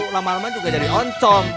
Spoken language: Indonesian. lama lama juga jadi oncom